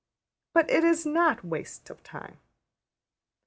'' But it is not waste of time.